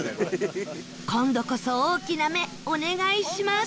今度こそ大きな目お願いします